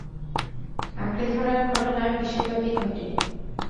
আঁকড়ে ধরার ঘটনা বিশ্বব্যাপী ঘটে।